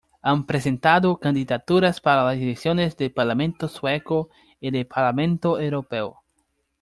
Han presentado candidaturas para las elecciones del parlamento sueco y del parlamento europeo.